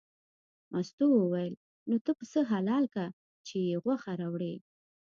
مستو وویل نو ته پسه حلال که چې یې غوښه راوړې.